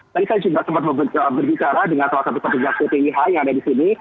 tadi saya juga sempat berbicara dengan salah satu petugas ppih yang ada di sini